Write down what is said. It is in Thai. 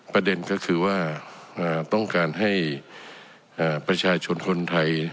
ประเด็นก็คือว่าต้องการให้ประชาชนคนไทย